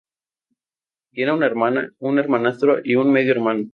Tiene una hermana, un hermanastro y un medio hermano.